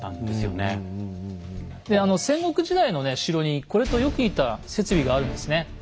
であの戦国時代の城にこれとよく似た設備があるんですね。